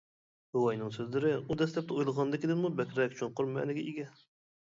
بوۋاينىڭ سۆزلىرى ئۇ دەسلەپتە ئويلىغاندىكىدىنمۇ بەكرەك چوڭقۇر مەنىگە ئىگە.